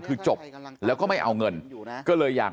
เป็นการให้ด้วยเสน่หา